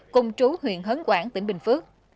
cùng chú huyện hấn quảng tỉnh bình phước